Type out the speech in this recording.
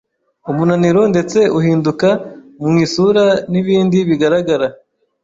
umunaniro ndetse uhinduka mu isura n’ibindi bigaragara